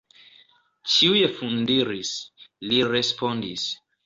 Ĉiuj fundiris, li respondis.